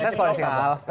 saya sekolah di singapura